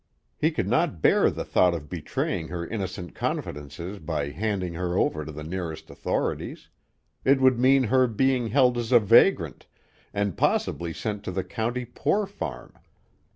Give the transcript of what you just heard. He could not bear the thought of betraying her innocent confidences by handing her over to the nearest authorities; it would mean her being held as a vagrant and possibly sent to the county poor farm.